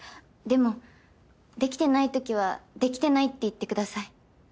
でもできてないときはできてないって言ってください。